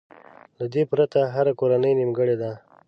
له دې پرته هره کورنۍ نيمګړې ده.